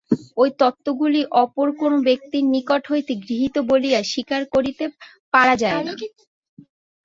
ঐ তত্ত্বগুলি অপর কোন ব্যক্তির নিকট হইতে গৃহীত বলিয়া স্বীকার করিতে পারা যায় না।